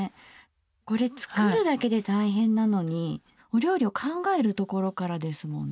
これ作るだけで大変なのにお料理を考えるところからですもんね。